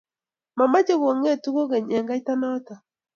Mameche kung'etu kukeny eng' kaita noto